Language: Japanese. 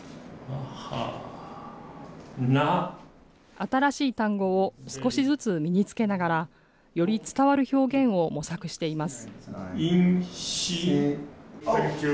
新しい単語を少しずつ身につけながら、より伝わる表現を模索しています。